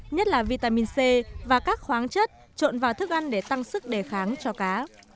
nhất là vitamin c và các khoáng chất trộn vào thức ăn để tăng sức đề kháng cho cá